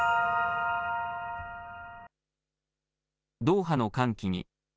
ドーハの歓喜に。